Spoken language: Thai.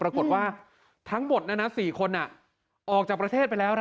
ปรากฏว่าทั้งหมด๔คนออกจากประเทศไปแล้ว